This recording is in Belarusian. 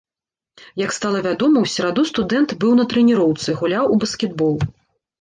Як стала вядома, у сераду студэнт быў на трэніроўцы, гуляў у баскетбол.